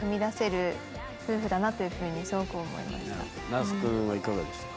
那須君はいかがでしたか？